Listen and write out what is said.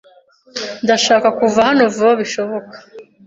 Ndashaka kuva hano vuba bishoboka.